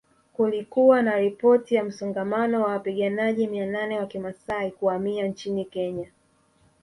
Kulikuwa na ripoti ya msongamano wa wapiganaji mia nane wa Kimasai kuhamia nchini Kenya